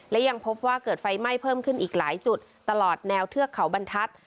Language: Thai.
และยังพบว่าเกิดไฟไหม้เพิ่มขึ้นอีกหลายจุดตลอดแนวเทือกเขาบรรทัศน์